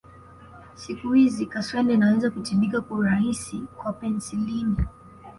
Siku hizi kaswende inaweza kutibika kwa urahisi kwa penicillin